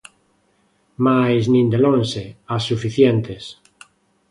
Mais, nin de lonxe, as suficientes.